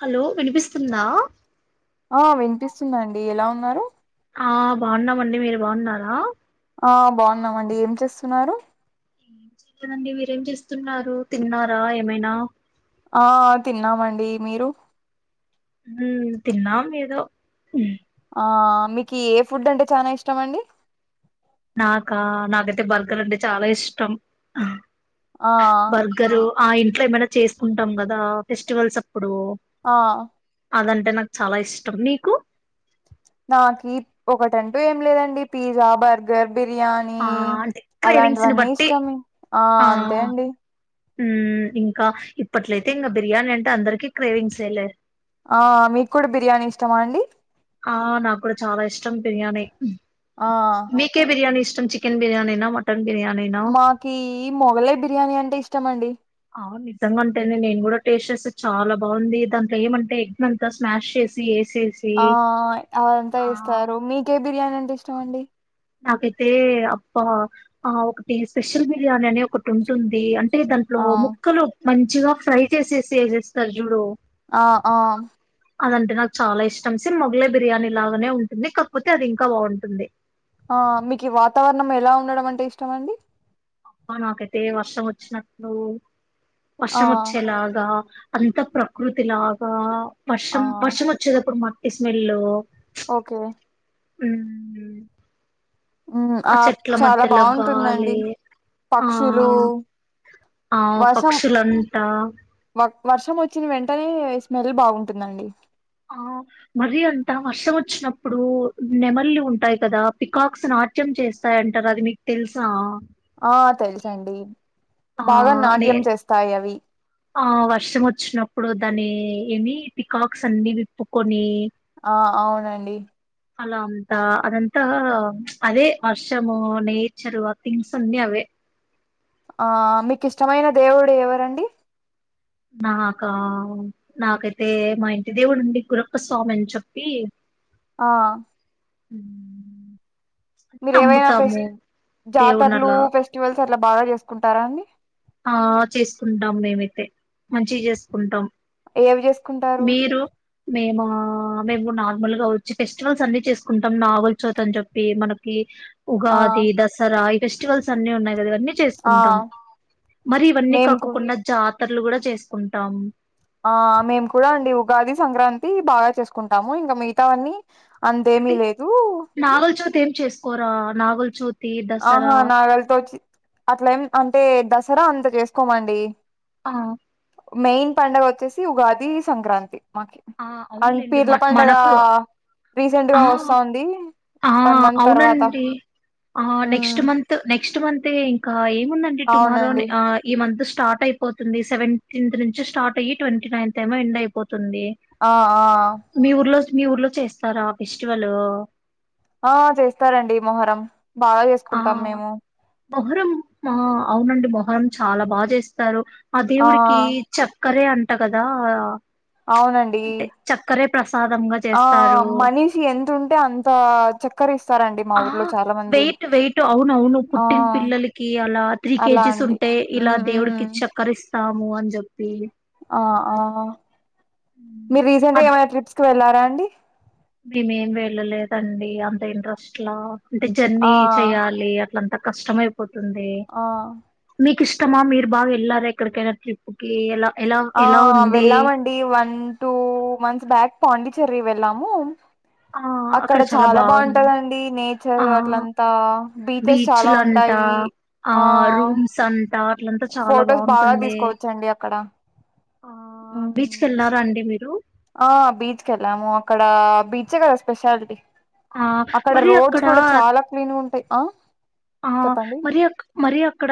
Hello వినిపిస్తుందా స్తుందండి ఎలా ఉన్నారు ఆ బాగున్నామండి మీరు బాగున్నారా ఆ బాగున్నామండి ఏం చేస్తున్నారు ఏం చేలేదండి మీరేం చేస్తున్నారు తిన్నారా ఏమైనా ఆ తిన్నామండి మీరు హు తిన్నాా ఏదో ఆ మీకు ఏ ఫుడ్ అంటే చనాా ఇష్టం అండి నాకా నాకైతే బర్గర్ అంటే చాలా ఇష్టం ఆ బర్గరు ఆ ఇంట్లో ఏమైనా చేసుకుంటాం కదా ఫెస్టివల్స్ అప్పుడు ఆ అదంట అంటే నాకు చాలా ఇష్టం నీకు నాకి ఒకటంటూ ఏం లేదండి పిజ్జా బర్గర్ బిర్యానీ ఆ అంటే క్రేవింగ్స్ ని అలాంటివన్నీ బట్టి ఇష్టాం ఆ అంతే అండి ఉ ఇంకా పట్లైతే ఇంకా బిర్యానీ అంటే అందరికి క్రేవింగ్స్యఏ లే ఆ మీకు కూడా బిర్యానీ ఇ ఇష్టమా అండి ఆ నాకు కూడా చాలా ఇష్టం బిర్యానీ ఆ మీకే బిర్యానీ ఇష్ చికెన్ బిర్యానీ నా మటన్ బిర్యానీనా మాకి మొగలాయ్ బిర్యానీ అంటే ఇష్ట ఇష్టంమండి ఆవు నిజంగా ఉంటాంది నేను కూడా టేస్ట్ చేస్తే చాలా బాగుంది దాంట్లో ఏమంటే ఎగ్ అంతా స్మాష్ చేసి వేసేసి ఆ అవిఅంత్త ఆ వెస్తారు మీకే బిర్యానీ అంటే ఇష్టంమండి నాకైతే అప్ప ఆ ఒకటి స్పెషల్ బిర్యానీ అనే ఒకటి ఉంటుంది అంటే దాంట్లో ఆ ముక్కలు మంచిగా ఫ్రై చేసేసి చేసేస్తారు చూడు ఆ ఆ అదంటే నాకు చాలా ఇష్టం స మొగలే బిర్యానీ లాగానే ఉంటుంది కాకపోతే అది ఇంకా బాగుంటుంది ఆ మీకు వాతావరణం ఎలా ఉండడం అంటే ఇష్టం అండి అబ్బ నాకైతే వర్షం వచ్చినటూ ఆ వర్షం వచ్చేలాగా అంత ప్రకృతి లాగా ఆ వర్షం వర్షం వచ్చేదిప్పుడు మాం ఇస్మి లో ఓకే మ్మ్ మ్మ్ ఆ చెట్ల చాలా మధ్యలో గాలి బాగుంటుందండి ఆ పక్షులు ఆ వర్షం పక్షులంతా వ వర్షం వచ్చిన వెంటనే స్మెల్ బాగుంటుందండి ఆ ఇప్పుడు నెమల్లి ఉంటాయి కదా పికాక్స్ నాట్యం చేస్తాయ అంటారు అది మీకు తెలుసా ఆ తెలుసండి ఆ బాగా నే నాట్యం చేస్తాయి అవి ఆ వర్షం వచ్చినప్పుడు దాని ఏమి పికాక్స్ అన్ని విప్పుకొని ఆ అవునండి అలా అంతా అదంత అదే వర్షము నేచరు ఆ థింగ్స్ అన్నీ అవే ఆ మీకు ఇష్టమైన దేవుడు ఎవరండి నాకా నాకైతే మా ఇంటి దేవుడుడి గురక్క స్వామి అని చెప్పి ఆ హ మీర ఏవైనా ఫెస్ దేవుని జాతరలు అలా ఫెస్టివల్స్ అట్లా బాగా చేసుకుంటారా అన్నీ ఆ చేసుకుంటాం మేమైతే మంచిగ చేసుకుంటాం ఏమి చేసుకుంటారు మీరు మేమా మేము నార్మల్ గా వచ్చి ఫెస్టివల్స్ అన్ని చేసుకుంటాం నాగుల్ చవితి అని చెప్పి మనకి ఆ ఉగాది దసరా ఫెస్టివల్స్ అన్ని ఉన్నాయిగదివన్నీ ఆ చేసుకుంటాం మరి ఇవన్నీ మేము కూ కాకోకుండా జా పాతర్లు కూడా చేసుకుంటాం ఆ మేము కూడా అండి ఉగాది సంక్రాంతి బాగా చేసుకుంటాము ఇంగ మిగతావన్నీ అంతేమీ లేదు హ్మ్ కోరా నాగుల్ చూత్ ఆహా నాగళతోచ్చి అట్లా ఏం అంటే దస్ సరా అంత చేసుకోమండి ఆ మెయిన్ పండగ వచ్చేసి ఉగాది సంక్రాంతి ఆ అండ్ అవునులేండి మ పీర్ల పండగ మనకు ఆ రీసెంట్గా వస్తోంది ఆ వన్ మంత్ తర్వాత అవునండి ఆ నెక్స్ట్ ఉమ్ మంత్ నెక్స్ట్ మంత్ తే ఇంకా ఏం కున్నండి టుమారో అవునండి ఆ ఈ మంత్ స్టార్ట్ అయిపోతుంది సెవెంటీన్త్ నుంచి స్టార్ట్ అయ్యి ట్వంటీ నైన్త్ ఏమో ఎండ్ అయిపోతుంది ఆ ఆ మీ ఊర్లో మీ ఊర్లో చేస్తారా ఫెస్టివలూ ఆ చేస్తారండి మొహరం బాగా ఆ చేసుకుంటాం మేము మొహరం ఆ అవునండి మొహరం చాలా బాగా చేస్తారు ఆ దేవుడికి చెప్ కరె అంట కదా అవునండి అంటే చక్కరే ప్రసాదంగా ఆ చేస్తారు మనీషి ఎంతుంటే అంత చెక్కర ఇస్తారండి మా ఆ ఊర్లో చాలా మంది వెయిట్ వెయిట్ అవునవును ఆ పుట్టిన పిల్లలకి అలా త్రీ అలా కేజీస్ అండి ఉంటే ఇలా ఉమ్ దేవుడికి ఉమ్ చక్కర ఇస్ స్తాము అన్ జెప్పి అ ఆ ఉమ్. మీరు రీసెంట్ గా అది ఏమైనా ట్రిప్స్ కి వెళ్ళా రాండి మేమేం వెళ్ళలేదండి అంత ఇంట్రెస్ట్లా అంటే ఆ జర్నీ చెయాలి ట్లంత కష్టమై పోతుంది ఆ మీకిఇష్ ఇష్టమా మీరు బాగా ఎల్లార ఎక్కడికైనా ట్రిప్పుకి ఎలా ఎలా ఆ ఎలా ఉంది వెళ్ళమండి one two months back Pondicherry వెళ్ళాము, అక్కడ చాలా బాగుంటందండి నేచర్ ఆ అట్లంతా బీచెస్ చాలా బీచ్లంట ఉంటాయి ఆ, ఇట్లంతా చాలా ఫొటోస్ బాగా బాగుంటుంది. తీసుకోవచ్చండి అక్కడ ఆ బీచ్ కి ఉమ్ వెళ్లారా అండి మీరు, ఆ బీచ్ కి వెళ్ళాము అక్కడ బీచే కదా స్పెషాలిటీ, ఆ అక్కడ రోడ్స్ కూడా చాలా క్లీన్ గా ఉంటాయి, ఆ ఆ చెప్పండి మరి అ మరి అక్కడ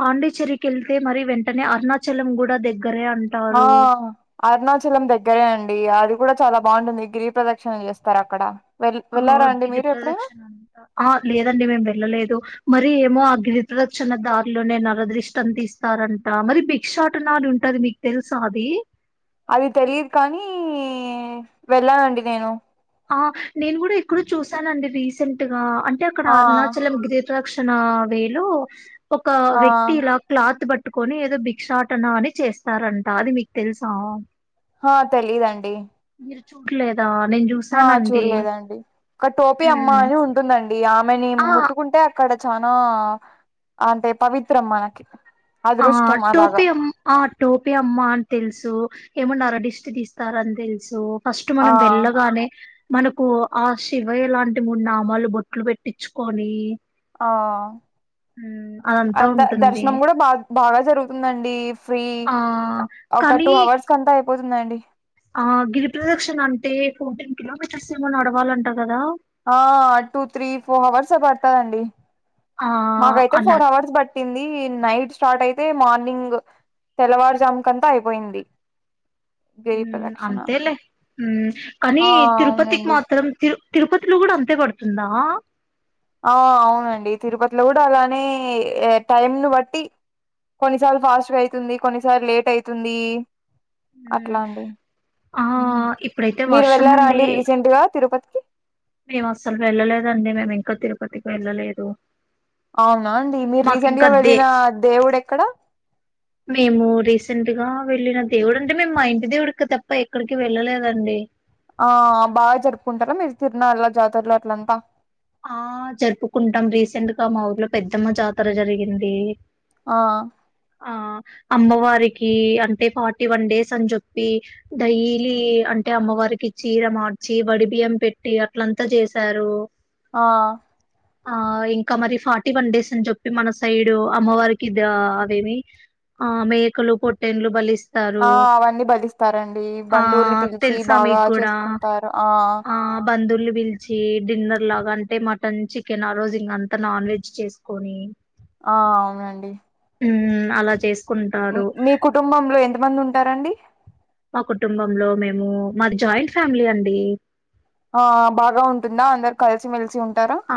పాండిచ్చేరి కి వెల్, మరి వెంటనే అరుణాచలం కూడా దగ్గ ఆ అరుణాచలం దగ్గరే అండి అది, కూడా చాలా బాగుంటుంది. గిరి ప్రదక్షిణలు చేస్తారు అక్కడ, వెళ్ ఆ వెళ్ళారా అండి గిరి మీరు ఎప్పుడైనా ప్రదక్షిణ అంత ఆ లేదండి మేము వెళ్ళలేదు, మరి ఏమో ఆ గిరిపరక్షణ. దారిలోనే నరదృష్టి తీస్తారంట మరి భిక్షాటనాలు. ఉంటది మీకు తెలుసా అది, అది తెలిదు కానీ వెళ్ళానండి నేను, ఆ నేను కూడా ఎక్కడ చూసానండి రీసెంట్గా, అంటే అక్కడ ఆ అరుణాచలం గిరి, రక్షణ వేలు, ఒక ఆ వ్యక్తి ఇలా క్లాత్ బట్టి, పట్టుకొని ఏదో భిక్షాటన అని చేస్తారంట అది మీకు తెలుసా, హ తెలియదండి, మీరు చూడలేదు ఆ చూడలేదండి. ఒకక్క టోపి అమ్మ ఉమ్ అని ఉంటుందండి. ఆమెని ఆ ముట్టుకుంటే అక్కడ, చనా అంటే పవిత్రం మనకి, ఆ అదృష్టం అలాగా టోపి అమ్ ఆ టోపి అమ్మ అని తెలుసు ఏమన్నారు డి, దిష్టి తీస్తార అని తెలుసు, ఫస్ట్ ఆ మనం వెళ్ళగానే, మనకు ఆ శివయ్య లాంటి. మూడు నామాలు బొట్లు పెట్టించుకొని, ఆ ఉమ్ అదంతా అంతా ఉంటుంది దర్శనం కూడా బా బాగా జరుగుతుందండి ఫ్రీ ఆ ఒక టూ కానీ అవర్స్ కంత అయిపో, పోతుందండి, ఆ గిరి ప్రదక్షణ అంటే ఫోర్టీన్ కిలోమీటర్స్ ఏమై నడవాలంటా కదా, ఆ టూ త్రీ ఫోర్ అవర్స్ పడతదండి, ఆ మాకు అయితే ఫోర్ అన్నారు అవర్స్ బట్ట, పట్టింది నైట్ స్టార్ట్ అయితే. మార్నింగ్ తెల్లవారుజామ్ కంతా అయిపోయింది, హు గిరి ప్రదక్షిణ అంతేలే హు, కానీ ఆ తిరుపతికి అవునండి మాత్రం. తిరు తిరుపతిలో కూడా అంతే పడుతుంది, ంద ఆ అవునండి తిరుపతిలో కూడా అలానే టైమ్ ను బట్టి కొన్నిసార్లు ఫాస్ట్గా అయితుంది కొన్నిసార్ లేట్ అయితుంది మ్మ్ అట్లా అండి ఆ ఇప్పుడైతే మీరు వర్షం వెళ్ళారా అండి రీసెంట్ గా తిరుపతికి మేము అసలు వెళ్ళలేదండి మేము ఇంకా తిరుపతికి వెళ్ళలేదు అవునా అండి మీరు మాకు ఇంకా రీసెంట్గా దే వెళ్ళిన దేవుడు ఎక్కడ మేము రీసెంట్ గా వెళ్లిిన దేవుడు అంటే మేము మా ఇంటి దేవుడికి తప్ప ఎక్కడికి వెళ్ళలేదండి ఆ బాగా జరుపుకుంటారా మీరు తిరునాళ్లో జాతరలు అట్ల అంత ఆ జరుపుకుంటాం రీసెంట్ గా మా ఊర్లో పెద్దమ్మ జాతర జరిగింది ఆ ఆ అమ్మవారికి అంటే ఫార్టీ వన్ డేస్ అని చెప్పి డైలీ అంటే అమ్మవారికి చీర మార్చి వడి బియ్యం పెట్టి అట్లంతా చేశారు ఆ ఆ ఇంకా మరి ఫార్టీ వన్ డేస్ అని చెప్పి మన సైడు అమ్మవారికి ఇది అవేమి ఆ మేకలు పట్టెన్లు బలిస్త ఆ అవన్నీ బలిస్తారండి ఆ బంధువుల్ని పిలిచి తెలుసా బాగా మీకు కూడా చేసుకుంటారు ఆ తిన్నర్ లాగా అంటే మటన్ చికెన్ ఆ రోజు ఇంగంత నాన్ వెజ్ చేసుకొని ఆ అవునండి అలా చేస్త మీ కుటుంబంలో ఎంతమంది ఉంటారండి మా కుటుంబంలో మేము మాది జాయింట్ ఫ్యామిలీ అండి ఆ బాగా ఉంటుందా అందరు కలిసిమెలిసి ఉంటు ఆ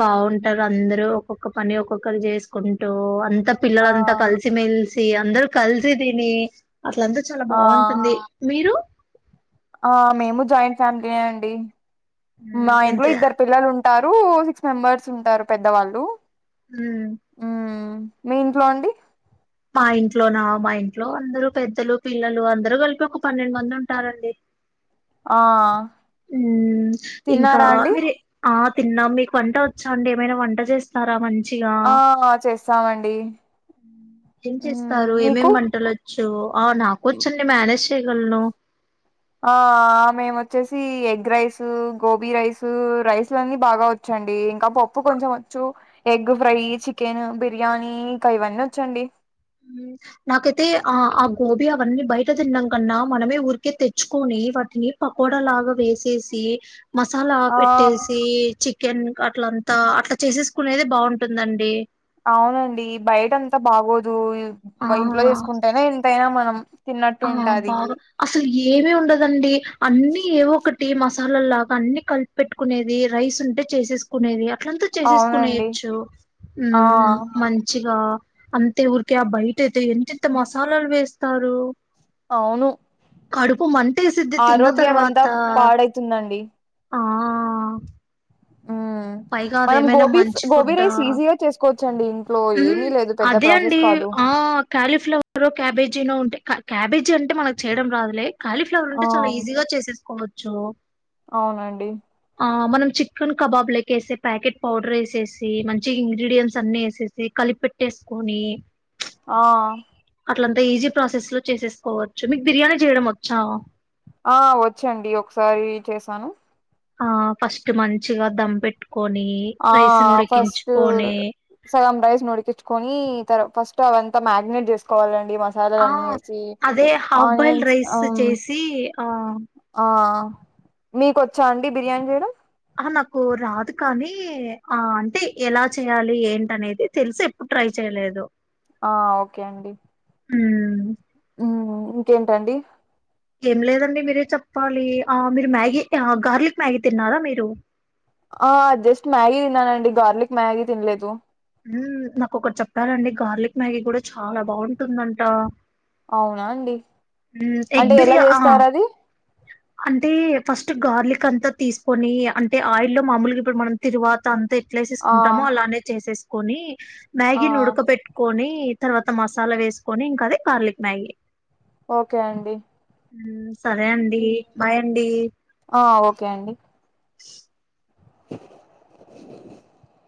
బాగుంటారు అందరు ఒక్కొక్క పని ఒక్కొక్కరు చేసుకుంటూ అ ంత పిల్ల ఆ అంతా కలిసి మేల్ సి అందరు కల్సతిని అట్లంత చాలా ఆ బాగుంటుంది మీరు ఫ్యామిలీ అండి హ్మ్ మా ఎంత ఇంట్లో ఇద్దరు పిల్లలు ఉంట ఉంటారు సిక్స్ మెంబర్స్ ఉంటారు పెద్దవాళ్ళు హ మ్మ్ మీ ఇంట్లో అండి మా ఇంట్లో నా మా ఇంట్లో అందరు పెద్దలు పిల్లలు అందరుూ కలిపి ఒక పన్నెండు మంది ఉంటారండి ఆ ఇంకా తిన్నారా అండి మీరి ఆ తిన్నాం మీకు వంట వచ్చా అండి ఏమైనా వంట చేస్తారామ ఆ చేస్తామండి ఏం మ్మ్ చేస్తారు మీకు ఏమేమి వంటలు వచ్చ చ్చు ఆ నాకూ వచండి మేనేజ్ చేయగలను ఆ మేము వచ్చేసి ఎగ్ రైసు, గోబీ రైసూ రైస్లన్నీ బాగా వచ్చండి. ఇంకా పప్పు కొంచెం వచ్చు. ఎగ్ ఫ్రై చికెన్ బిర్యానీ ఇంకా ఇవన్నీ వచ్చండి. నాకైతే ఆ ఆ గోబీ అవన్నీ బయట తినడం కన్నా మనమే ఊరికే తెచ్చుకొని వాటిని పకోడా లాగా వేసేసి మసాలా ఆ పెట్టేసి చీ చికెన్ అట్లంతా అట్లా చేసేసుకునేది బావుంటుందండి. అవునండి బయట అంతా బాగోదు. ఆ దు ఇంట్లో చేసుకుంటేనే అయినా మనం తిన్నట్టు ఆ ఉంటది బాగొ అసలు ఎ ఏవి ఉండ దండి అన్నీ ఏ ఒకటి మస్ మసాలా లాగా అన్ని కలిపి పెట్టుకునేది. రైస్ ఉంటే చేసేసుకునేది. అ అట్లంతా అవునండి చేసేసుకునేయచ్చు. ఆ హ్మ్ మంచిగా అంతే ఊర్ తె ఎంతెంత మసాలాలు వేస్ట్ తరు అవును మంటేసిద్ది తిన్న ఆరోగ్యం అంతా తర్వాత పాడైతుందండి. ఆ ఉమ్ పైగా మనం అదేమైనా గోబీ మంచి గోబీ ఫుడ్డా రైస్ ఈజీగా చేసుకోవచ్చండి ఇంట్లో ఏమీ హ్మ్ లేదు పెద్ద అదే ప్రాసెస్ అండి కాదు ఆ కాలీఫ్లవరో క్యాబేజీనో ఉంటే క క్యాబేజీ అంటే మనకు చేయడం రాదులే. కాలీఫ్లవర్ ఉంటే ఆ చాలా ఈజీగా చేసేసుకో చో అవునండి. ఆ మనం చికెన్ కబాబ్ లె చేసే ప్యాకెట్ పౌడర్ వేసేసి మంచి ఇంగ్రీడియంట్స్ అన్ని వేసేసి కలిపి పెట్టేసుకోని ఆ అట్లంతా ఈజీ ప్రాసెస్ లో చేసేసుకోవచ్చు. మీకు బిర్యానీ చేయడం వచ్చా ఆ వచ్చండి ఒకసారి చేసాను. ఆ ఫస్ట్ మంచిగా దంపెట్టు ఆ ఫస్టు సగం రైస్ నుడికిచ్చికోని త ఫస్ట్ అవంతా మ్యాగినేట్ చేసుకోవాల ఆ అదే హాఫ్ బాయిల్ ఆనియన్స్ రైస్ ఆమ్ చేసి ఆ ఆ మీకు వచ్చా అండి బిర్యానీ చేయడం ఆహ నాకు రాదు కానీ ఆ ఓకే అండి హ్మ్ హ్మ్ ఇంకేంటండి ఏం లేదండి మీరే చెప్పాలి. ఆ మీరు మ్యాగీ ఆ గార్లిక్ మ్యాగీ తిన్నారా మీరు ఆ జస్ట్ మ్యాగీ తిన్నానండి. గార్లిక్ మ్యాగీ తినలేదు. నాకొకరు చెప్పారండి. గార్లిక్ మ్యాగీ కూడా చాలా బాగుంటుందంట. అవునా అండి హ్మ్ ఎగ్ అంటే ఎలా బిర్యా ఆ చేస్తారు అది అంటే ఫస్ట్ గార్లిక్ అంతా తీసుకొని అంటే ఆయిల్లో మామూలుగా ఇప్పుడు మనం తరువాత అంతా ఆ పలేసస్సుకుంటామో అలానే చేసేస్ కొని ఆ మ్యాగీని ఉడక పెట్టుకొని తర్వాత మసాలా వేసుకొని ఇంకా అది గార్లిక్ మ్యాగీ ఓకే అండి హ్మ్మ్ సరే అండి బాయ్ అండి ఆ ఓకే అండి [inaudible]